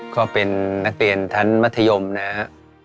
ก็เป็นนักเรียนชั้นมัธยมนะครับ